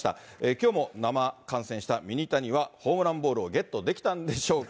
きょうも生観戦したミニタニは、ホームランボールをゲットできたんでしょうか。